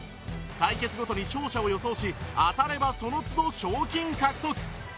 対決ごとに勝者を予想し当たればその都度賞金獲得